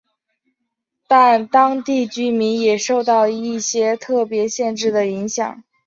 但当地居民也受一些特别限制的影响。